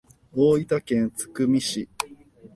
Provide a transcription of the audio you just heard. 大分県津久見市